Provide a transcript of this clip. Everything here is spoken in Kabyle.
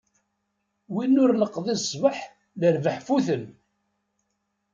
Win ur neqḍi ṣṣbeḥ, lerbaḥ futen.